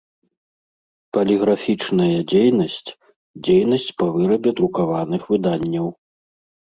Палiграфiчная дзейнасць – дзейнасць па вырабе друкаваных выданняў.